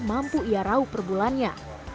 mampu ia rauh perbulannya